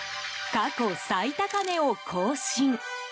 過去最高値を更新。